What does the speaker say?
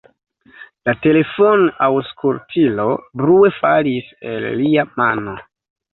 La telefonaŭskultilo brue falis el lia mano.